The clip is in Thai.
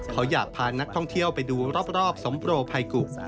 เขาอยากพานักท่องเที่ยวไปดูรอบสมโปรภัยกุก